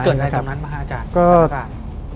เกิดอะไรตรงนั้นมหาอาจารย์จังหการ